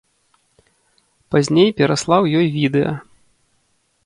Пазней пераслаў ёй відэа.